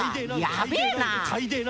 やべえな！